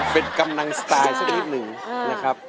เป็นกำหนังสไตล์นิดนึงนะครับ